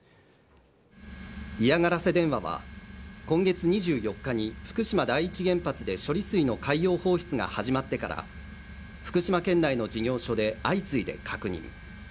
嫌がらせ電話は今月２４日に福島第一原発で処理水の海洋放出が始まってから、福島県内の事業所で相次いで確認。